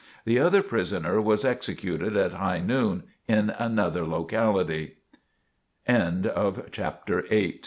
The other prisoner was executed at high noon in another locality. CHAPTER IX PERSONAL